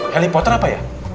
heliportar apa ya